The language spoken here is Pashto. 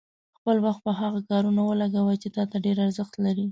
خپل وخت په هغه کارونو ولګوئ چې تا ته ډېر ارزښت لري.